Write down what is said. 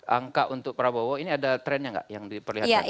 angka untuk prabowo ini ada trennya nggak yang diperlihatkan